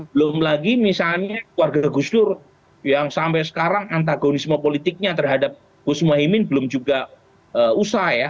belum lagi misalnya keluarga gusdur yang sampai sekarang antagonisme politiknya terhadap tuz muhaymin belum juga usaha ya